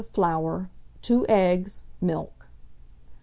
of flour, 2 eggs, milk.